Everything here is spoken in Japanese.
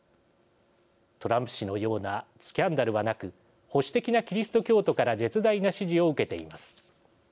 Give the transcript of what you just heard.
トランプ氏のようなスキャンダルはなく保守的なキリスト教徒から絶大な支持を受けています。